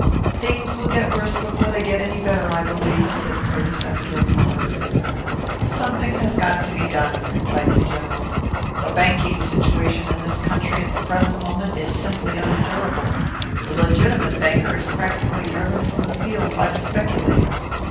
"Things will get worse before they get any better, I believe," said Curtiss, after a pause. "Something has got to be done," replied the General. "The banking situation in this country at the present moment is simply unendurable; the legitimate banker is practically driven from the field by the speculator.